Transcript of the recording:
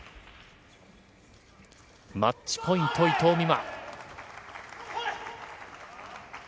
マッチポイント、伊藤美誠。